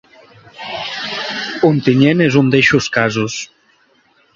Ontinyent és un d’eixos casos.